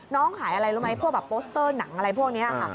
ขายอะไรรู้ไหมพวกแบบโปสเตอร์หนังอะไรพวกนี้ค่ะ